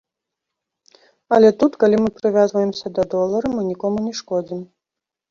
Але тут, калі мы прывязваемся да долара, мы нікому не шкодзім.